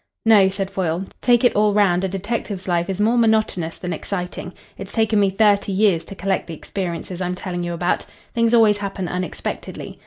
"No," said Foyle. "Take it all round, a detective's life is more monotonous than exciting. It's taken me thirty years to collect the experiences I'm telling you about. Things always happen unexpectedly.